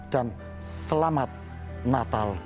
dan selamat natal